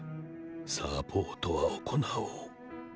サポートは行おう。